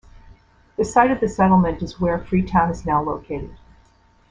The site of the settlement is where Freetown is now located.